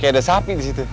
kayak ada sapi disitu